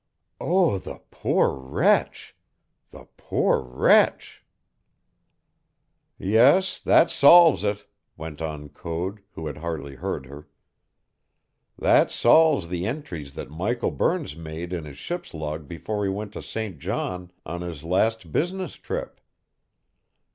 "Oh, the poor wretch! The poor wretch!" "Yes, that solves it," went on Code, who had hardly heard her. "That solves the entries that Michael Burns made in his ship's log before he went to St. John on his last business trip.